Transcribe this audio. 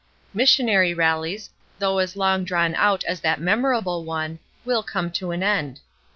Missionary rallies, though as long drawn out as that memorable one, will come to an end.